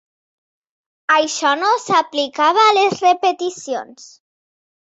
Això no s'aplicava a les repeticions.